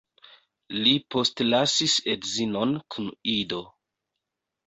Li postlasis edzinon kun ido.